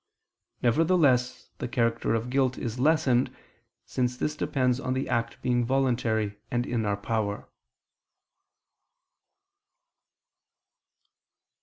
Nevertheless the character of guilt is lessened, since this depends on the act being voluntary and in our power.